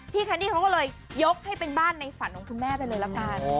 แคนดี้เขาก็เลยยกให้เป็นบ้านในฝันของคุณแม่ไปเลยละกัน